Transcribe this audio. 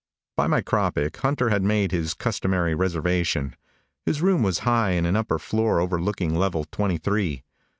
By micropic Hunter had made his customary reservation. His room was high in an upper floor overlooking Level Twenty three.